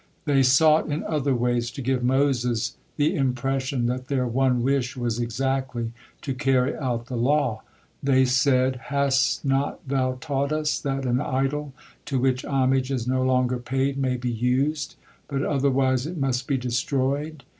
They sought in other ways to give Moses the impression that their one wish was exactly to carry out the law. They said: "Hast not thou taught us that an idol to which homage is no longer paid may be used, but otherwise it must be destroyed?